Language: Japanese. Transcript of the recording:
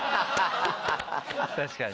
確かに。